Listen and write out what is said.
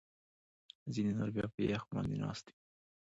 ځینې نور بیا په یخ باندې ناست وي